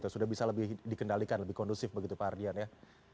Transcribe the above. sudah bisa lebih dikendalikan lebih kondusif begitu pak ardian ya